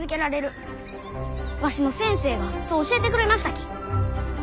わしの先生がそう教えてくれましたき。